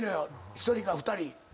１人か２人。